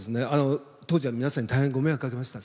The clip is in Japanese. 当時は皆さんに大変ご迷惑をかけました。